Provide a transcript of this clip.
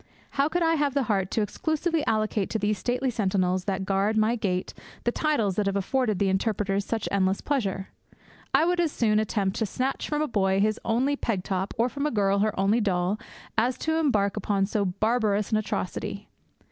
How could I have the heart to exclusively allocate to these stately sentinels that guard my gate the titles that have afforded the interpreters such endless pleasure? I would as soon attempt to snatch from a boy his only peg top, or from a girl her only doll, as embark upon so barbarous an atrocity.